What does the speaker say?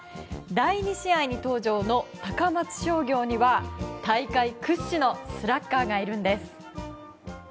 第２試合に登場の高松商業には大会屈指のスラッガーがいるんです。